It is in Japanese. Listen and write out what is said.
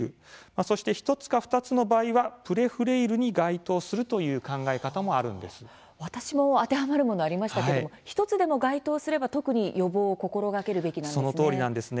そして１つか２つの場合はプレフレイルに該当するという私も当てはまるものありましたけれども１つでも当てはまれば特に予防を心がけるべきなんですね。